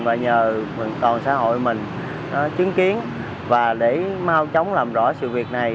và nhờ toàn xã hội mình chứng kiến và để mau chóng làm rõ sự việc này